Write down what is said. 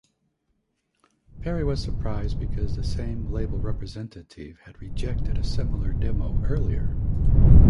Perry was surprised because the same label representative had rejected a similar demo earlier.